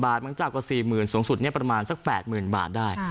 บาทมั้งจากกว่า๔๐๐๐๐บาทสูงสุดเนี่ยประมาณสัก๘๐๐๐๐บาทได้